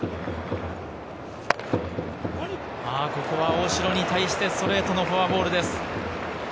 ここは大城に対してストレートのフォアボールです。